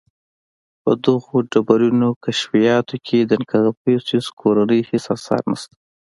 • په دغو ډبرینو کشفیاتو کې د کنفوسیوس د کورنۍ هېڅ آثار نهشته.